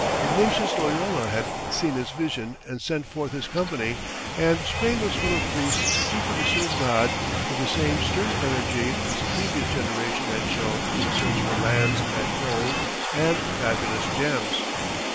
Ignatius Loyola had seen his visions and sent forth his company, and Spain was full of priests eager to serve God with the same stern energy which the previous generation had shown in the search for lands and gold and fabulous gems.